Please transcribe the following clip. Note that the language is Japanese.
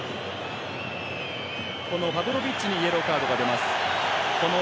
このパブロビッチにイエローカードが出ます。